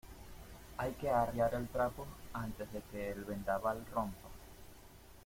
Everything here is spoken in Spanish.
hay que arriar el trapo antes de que el vendaval rompa